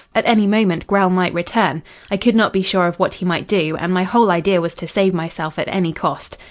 At any moment Grell might return. I could not be sure of what he might do, and my whole idea was to save myself at any cost.